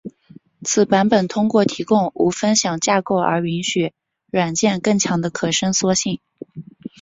此版本通过提供无分享架构而允许软件更强的可伸缩性。